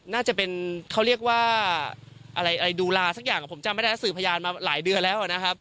น่าจะเป็นดูลาสักอย่างจ้ามไม่ได้แล้วสื่อพยานมาหลายเดือนแล้ว